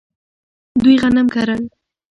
دوی غنم کرل.